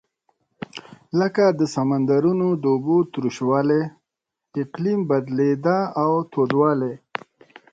لکه د سمندرونو د اوبو تروش والۍ اقلیم بدلېده او تودوالی.